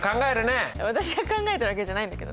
私が考えたわけじゃないんだけどね。